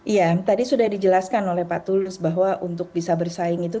iya tadi sudah dijelaskan oleh pak tulus bahwa untuk bisa bersaing itu